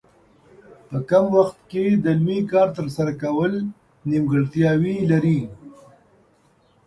په کم وخت کې د لوی کار ترسره کول نیمګړتیاوې لري.